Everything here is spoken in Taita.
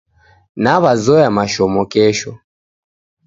Nawazoya mashomo kesho